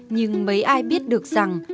nhưng mấy ai biết được rằng